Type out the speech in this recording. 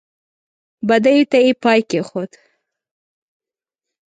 بدیو ته یې پای کېښود.